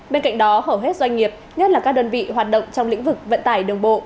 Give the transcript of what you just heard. bên cạnh đó hầu hết doanh nghiệp nhất là các đơn vị hoạt động trong lĩnh vực vận tải đường bộ